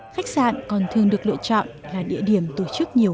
khách sạn còn thường được lựa chọn là địa điểm tổ chức nhiều